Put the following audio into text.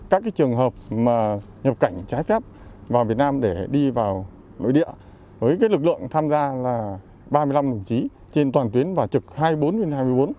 các trường hợp nhập cảnh trái phép vào việt nam để đi vào nội địa với lực lượng tham gia là ba mươi năm đồng chí trên toàn tuyến và trực hai mươi bốn trên hai mươi bốn